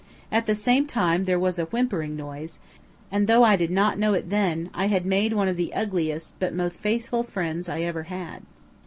At the same time there was a whimpering noise, and though I did not know it then, I had made one of the ugliest but most faithful friends I ever had.